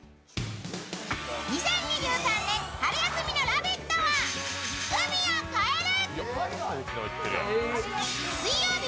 ２０２３年春休みの「ラヴィット！」は海を越える！